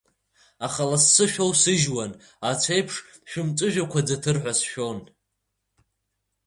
Аха лассы шәоусыжьуан, ацәеиԥш шәымҵәыжәҩақәа ӡыҭыр ҳәа сшәон.